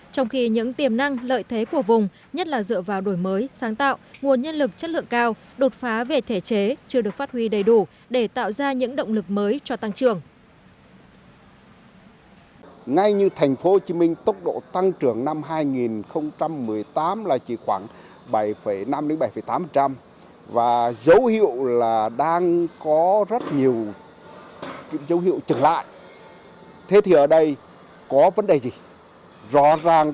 trong khi những tiềm năng lợi thế của vùng nhất là dựa vào đổi mới sáng tạo nguồn nhân lực chất lượng cao đột phá về thể chế chưa được phát huy đầy đủ để tạo ra những động lực mới cho tăng trưởng